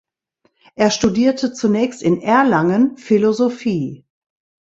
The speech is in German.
Er studierte zunächst in Erlangen Philosophie.